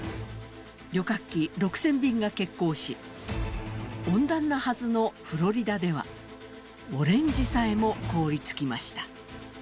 旅客機６０００便が欠航し、温暖なはずのフロリダではオレンジさえも凍りつきました。